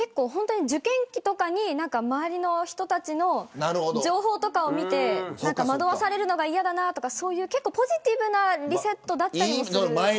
受験期とかに周りの人たちの情報とかを見て惑わされるのが嫌だなとか結構ポジティブなリセットだったりもします。